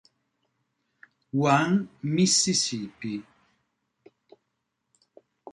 One Mississippi